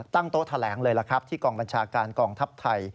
โต๊ะแถลงเลยล่ะครับที่กองบัญชาการกองทัพไทย